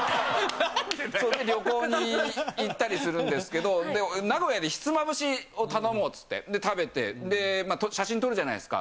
それで旅行に行ったりするんですけど、名古屋でひつまぶしを頼もうっていって、食べて、写真撮るじゃないですか。